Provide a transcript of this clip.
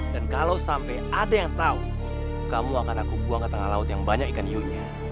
dan kalau sampai ada yang tahu kamu akan aku buang ke tengah laut yang banyak ikan iunya